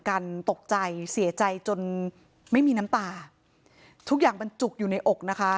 กันตกใจเสียใจจนไม่มีน้ำตาทุกอย่างบรรจุอยู่ในอกนะคะ